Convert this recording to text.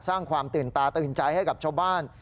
สร้างความตื่นตาตื่นใจให้กับชาวบ้าน